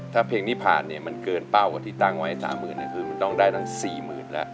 ถ้าเพลงนี้ผ่านเนี่ยมันเกินเปล่ากว่าที่ตั้งวัยสามหมื่นคือมันต้องได้ตั้งสี่หมื่นแล้ว